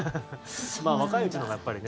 まあ若いうちのほうがやっぱりね。